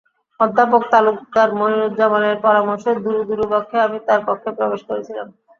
অধ্যাপক তালুকদার মনিরুজ্জামানের পরামর্শে দুরু দুরু বক্ষে আমি তাঁর কক্ষে প্রবেশ করেছিলাম।